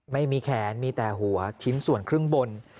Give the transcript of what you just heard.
ไม่มีแขนมีแต่หัวชิ้นส่วนครึ่งบน